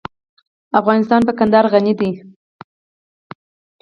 افغانستان په کندهار غني دی.